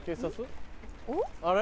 あれ？